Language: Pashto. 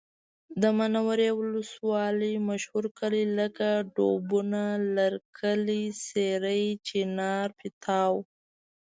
د منورې ولسوالۍ مشهور کلي لکه ډوبونه، لرکلی، سېرۍ، چینار، پیتاو